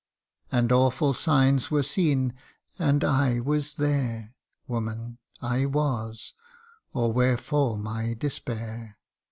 11 And awful signs were seen, and I was there Woman, I was or wherefore my despair